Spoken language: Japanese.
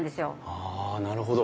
あなるほど。